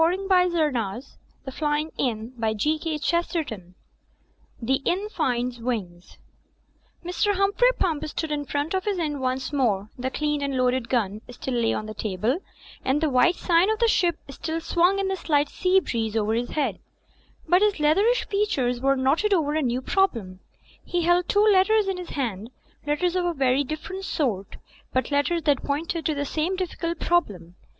Digitized by CjOOQIC ft '1 rJ CHAPTER IV THE INN FINDS WINGS Mr. Humphrey Pump stood in front of his inn once more, the cleaned and loaded gun still lay on the table, and the white sign of The Ship still swung in the slight sea breeze over his head; but his leatherish features were knotted over a new problem. He held two let ters in his hand, letters of a very different sort, but letters that pointed to the same difficult problem.